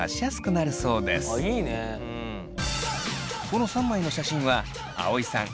この３枚の写真は葵さん